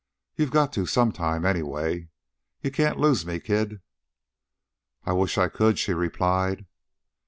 You got to some time, anyway. You can't lose me, kid." "I wish I could," she replied.